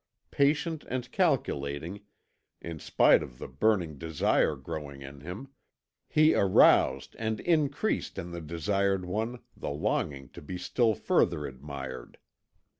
Patient and calculating, in spite of the burning desire growing in him, he aroused and increased in the desired one the longing to be still further admired.